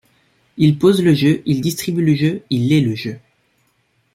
Il pose le jeu, il distribue le jeu, il est le jeu.